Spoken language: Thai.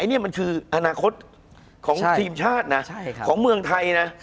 นี่มันคืออนาคตของทีมชาตินะของเมืองไทยนะ